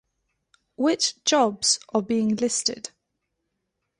Which jobs are being listed?